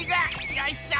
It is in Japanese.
よいしょ！